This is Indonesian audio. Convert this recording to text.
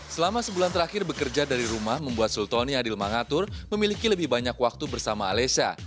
selama sebulan terakhir bekerja dari rumah membuat sultoni adil mangatur memiliki lebih banyak waktu bersama alesha